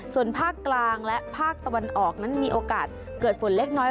ส่วนภาคกลางและภาคตะวันออกนั้นมีโอกาสเกิดฝนเล็กน้อย